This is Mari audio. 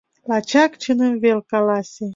Лачак чыным вел каласе: